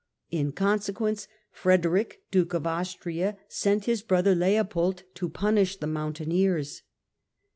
In consequence, Frederick Duke of Austria sent his brother Leopold to punish the mountaineers.